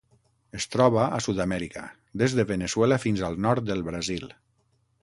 Es troba a Sud-amèrica: des de Veneçuela fins al nord del Brasil.